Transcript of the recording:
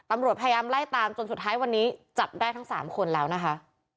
ตำรวจพยายามไล่ตามจนสุดท้ายวันนี้จับได้ทั้ง๓คนแล้วนะคะ